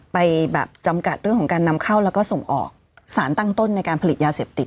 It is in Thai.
ไปแบบจำกัดเรื่องของการนำเข้าแล้วก็ส่งออกสารตั้งต้นในการผลิตยาเสพติด